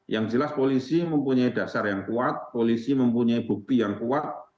yang jelas polisi mempunyai dasar yang kuat polisi mempunyai bukti yang kuat